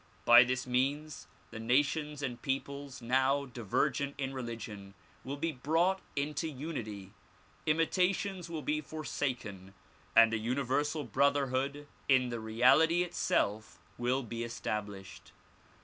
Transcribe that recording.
By this means the nations and peoples now divergent in religion will be brought into unity, imitations will be forsaken and a universal brotherhood in the reality itself will be established.